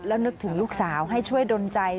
แล้วนึกถึงลูกสาวให้ช่วยดนใจ